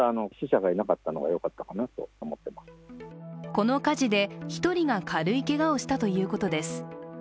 この火事で１人が軽いけがをしたということです。